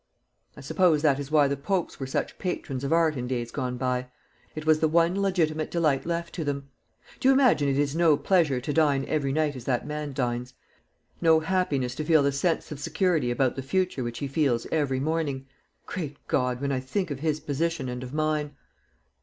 I suppose that is why the Popes were such patrons of art in days gone by. It was the one legitimate delight left to them. Do you imagine it is no pleasure to dine every night as that man dines? no happiness to feel the sense of security about the future which he feels every morning? Great God, when I think of his position and of mine!"